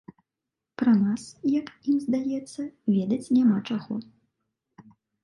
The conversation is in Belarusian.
Пра нас, як ім здаецца, ведаць няма чаго.